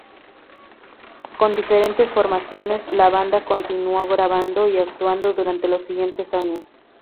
Con diferentes formaciones, la banda continuó grabando y actuando durante los siguientes años.